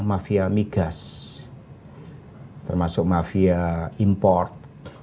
mafia migas termasuk mafia import